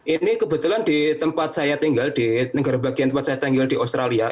ini kebetulan di tempat saya tinggal di negara bagian tempat saya tinggal di australia